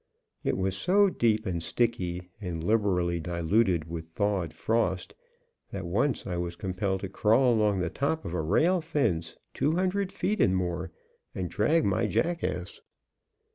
It was so deep, and sticky, and liberally diluted with thawed frost that once I was compelled to crawl along the top of a rail fence two hundred feet and more, and drag my jackass.